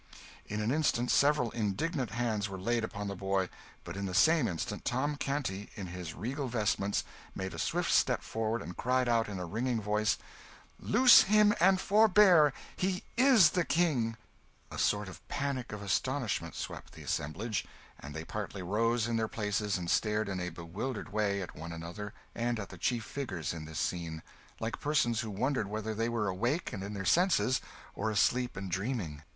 In an instant several indignant hands were laid upon the boy; but in the same instant Tom Canty, in his regal vestments, made a swift step forward, and cried out in a ringing voice "Loose him and forbear! He is the King!" A sort of panic of astonishment swept the assemblage, and they partly rose in their places and stared in a bewildered way at one another and at the chief figures in this scene, like persons who wondered whether they were awake and in their senses, or asleep and dreaming.